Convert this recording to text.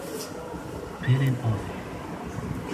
Pêlên avê